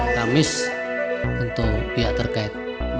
kamis untuk pihak terkait